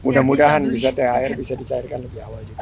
mudah mudahan bisa thr bisa dicairkan lebih awal juga